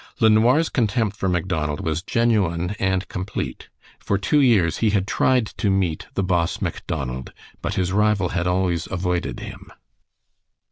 LeNoir's contempt for Macdonald was genuine and complete. For two years he had tried to meet the boss Macdonald, but his rival had always avoided him.